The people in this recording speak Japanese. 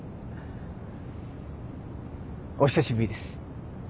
お久しぶりです。